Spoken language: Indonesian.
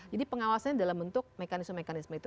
jadi pengawasannya dalam bentuk mekanisme mekanisme itu